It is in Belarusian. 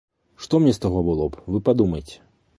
Што мне з таго было б, вы падумайце.